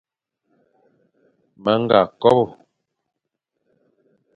Me ñga kobe,